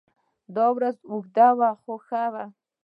دا ورځ اوږده وه خو ښه وه.